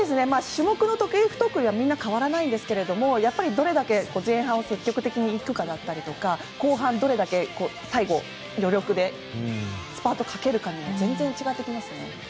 種目の得意、不得意はみんな変わらないんですがどれだけ前半積極的にいくかだったり後半、どれだけ最後余力でスパートをかけるかが全然違ってきますね。